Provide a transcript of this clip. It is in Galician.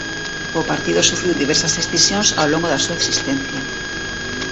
O partido sufriu diversas escisións ao longo da súa existencia.